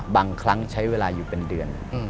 บางครั้งใช้เวลาอยู่เป็นเดือน